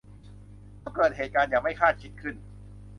ก็เกิดเหตุการณ์อย่างไม่คาดคิดขึ้น